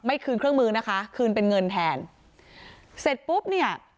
คืนเครื่องมือนะคะคืนเป็นเงินแทนเสร็จปุ๊บเนี่ย